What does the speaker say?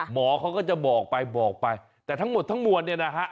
หมอเขาก็จะบอกไปบอกไปแต่ทั้งหมดทั้งมวลเนี่ยนะฮะ